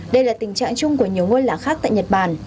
đây là tình trạng chung của nhiều ngôi làng khác tại nhật bản